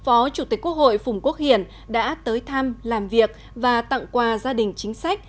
phó chủ tịch quốc hội phùng quốc hiển đã tới thăm làm việc và tặng quà gia đình chính sách